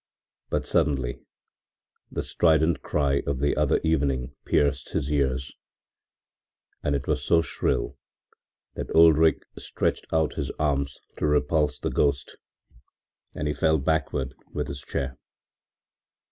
But suddenly the strident cry of the other evening pierced his ears, and it was so shrill that Ulrich stretched out his arms to repulse the ghost, and he fell backward with his chair.